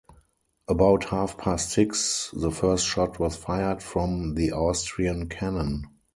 About half past six, the first shot was fired from the Austrian cannon.